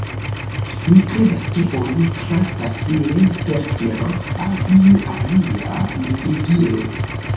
"Mi kredas ke oni traktas ilin per ciro aŭ iu alia nigrigilo."